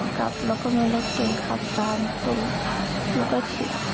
คนขับตามตรงตรงแล้วก็เฉียบ